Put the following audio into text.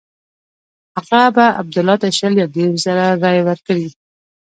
هغه به عبدالله ته شل یا دېرش زره رایې ورکړي.